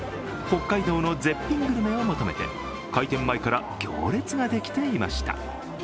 北海道の絶品グルメを求めて、開店前から行列ができていました。